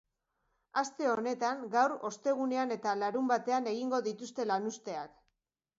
Aste honetan, gaur, ostegunean eta larunbatean egingo dituzte lanuzteak.